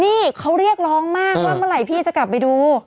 นี่เขาเรียกร้องมากว่าเมื่อไหร่พี่จะกลับไปดู